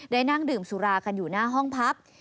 นั่งดื่มสุรากันอยู่หน้าห้องพัก